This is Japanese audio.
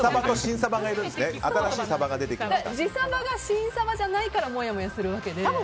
自サバが真サバじゃないからもやもやするわけで。